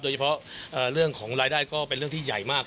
โดยเฉพาะเรื่องของรายได้ก็เป็นเรื่องที่ใหญ่มาก